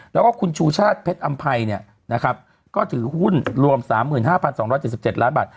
แล้วก็คุณชูชาติเพชรอำไพยเนี่ยนะครับก็ถือหุ้นรวม๓๕๒๗๗ล้านบาท